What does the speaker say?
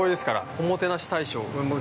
おもてなし大賞。